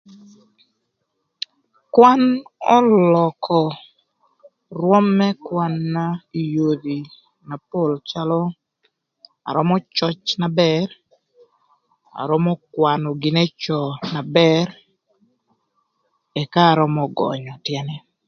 Kwan ölökö rwöm më kwan-na ï yodhï na pol calö, arömö cöc na bër, arömö kwanö gin n'ecö na bër ëka arömö gönyö tyënë.